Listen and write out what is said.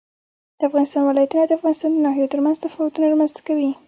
د افغانستان ولايتونه د افغانستان د ناحیو ترمنځ تفاوتونه رامنځ ته کوي.